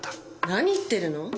何言ってるの？